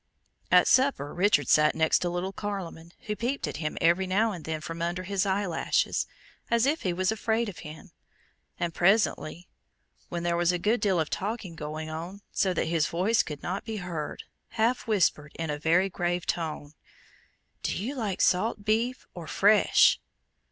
At supper, Richard sat next little Carloman, who peeped at him every now and then from under his eyelashes, as if he was afraid of him; and presently, when there was a good deal of talking going on, so that his voice could not be heard, half whispered, in a very grave tone, "Do you like salt beef or fresh?"